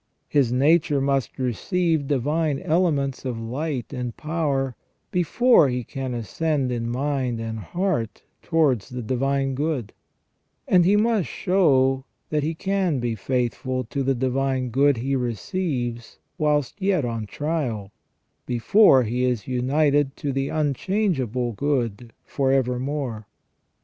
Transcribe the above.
His nature must receive divine elements of light and power, before he can ascend in mind and heart towards the divine good, and he must show that he can be faithful to the divine good he receives whilst yet on trial, before he is united to the unchangeable good for evermore.